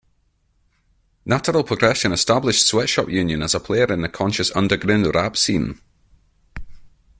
Natural Progression established Sweatshop Union as a player in the conscious underground rap scene.